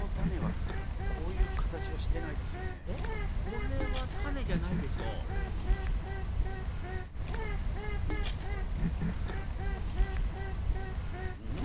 これは種じゃないでしょうん